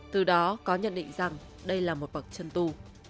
từ đó có nhận định rằng đây là một bậc chân tu